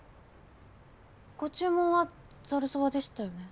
ご注文はざるそばでしたよね。